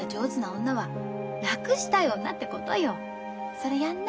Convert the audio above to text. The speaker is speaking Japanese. それやんな。